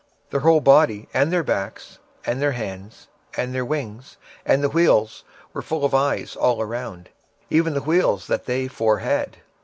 26:010:012 And their whole body, and their backs, and their hands, and their wings, and the wheels, were full of eyes round about, even the wheels that they four had.